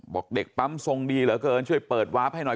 บอกเด็กปั๊มทรงดีเหลือเกินช่วยเปิดวาร์ฟให้หน่อย